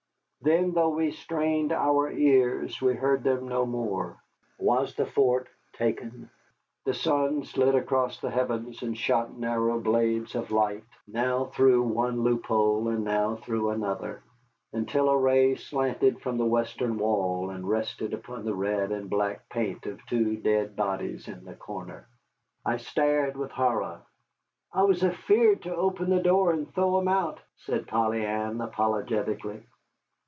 Then, though we strained our ears, we heard them no more. Was the fort taken? The sun slid across the heavens and shot narrow blades of light, now through one loophole and now through another, until a ray slanted from the western wall and rested upon the red and black paint of two dead bodies in the corner. I stared with horror. "I was afeard to open the door and throw 'em out," said Polly Ann, apologetically.